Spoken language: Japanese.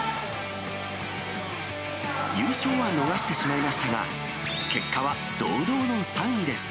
優勝は逃してしまいましたが、結果は堂々の３位です。